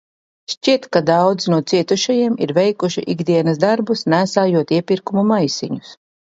Šķiet, ka daudzi no cietušajiem ir veikuši ikdienas darbus, nēsājot iepirkumu maisiņus.